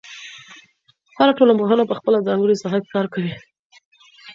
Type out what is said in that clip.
هر ټولنپوه په خپله ځانګړې ساحه کې کار کوي.